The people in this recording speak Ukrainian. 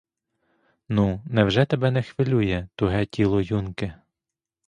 Ну, невже тебе не хвилює туге тіло юнки?